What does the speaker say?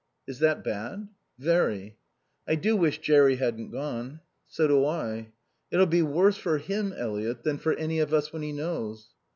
"Is that bad?" "Very." "I do wish Jerry hadn't gone." "So do I." "It'll be worse for him, Eliot, than for any of us when he knows."